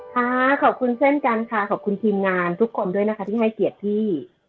ค่ะขอบคุณเช่นกันค่ะขอบคุณทีมงานทุกคนด้วยนะคะที่ให้เกียรติพี่